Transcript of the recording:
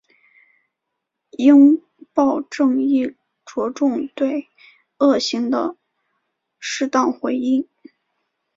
应报正义着重对恶行的适当回应。